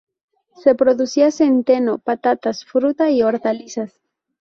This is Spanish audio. Se producía centeno, patatas, fruta y hortalizas.